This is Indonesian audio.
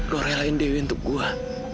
lo relain dewi untuk gue